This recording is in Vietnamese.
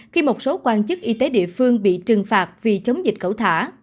khi một số quan chức y tế địa phương bị trừng phạt vì chống dịch cẩu thả